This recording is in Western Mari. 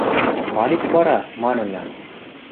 – Ма лиц вара? – манына.